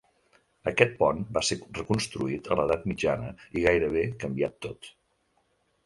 Aquest pont va ser reconstruït en l'edat mitjana, i gairebé canviat tot.